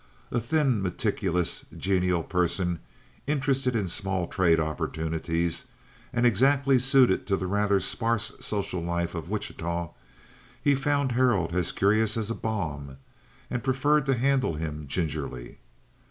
A thin, meticulous, genial person interested in small trade opportunities, and exactly suited to the rather sparse social life of Wichita, he found Harold as curious as a bomb, and preferred to handle him gingerly.